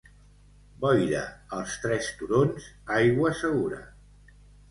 Boira als Tres Turons, aigua segura.